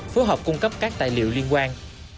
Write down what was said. phối hợp cung cấp các tài liệu liên quan